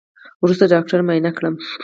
وروسته ډاکتر معاينه کړم.